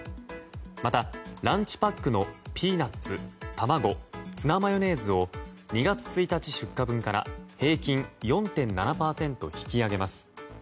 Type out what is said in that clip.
また、ランチパックのピーナッツ、たまごツナマヨネーズを２月１日出荷分から平均４．７％引き上げます。